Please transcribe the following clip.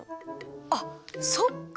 あっそっか。